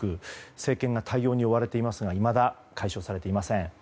政権が対応に追われていますがいまだ解消されていません。